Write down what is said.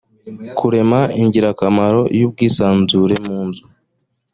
kurema ingirakamaro y ubwisanzure munzu